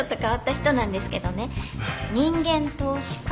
人間投資家。